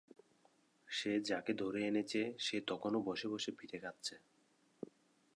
সে যাকে ধরে এনেছে সে তখনো বসে বসে পিঠে খাচ্ছে।